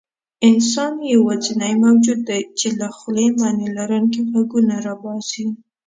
انسان یواځینی موجود دی، چې له خولې معنیلرونکي غږونه راباسي.